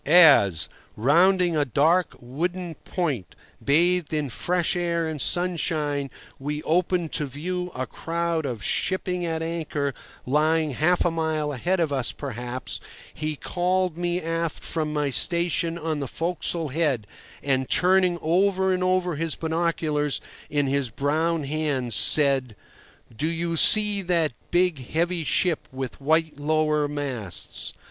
As, rounding a dark, wooded point, bathed in fresh air and sunshine, we opened to view a crowd of shipping at anchor lying half a mile ahead of us perhaps, he called me aft from my station on the forecastle head, and, turning over and over his binoculars in his brown hands, said: "Do you see that big, heavy ship with white lower masts?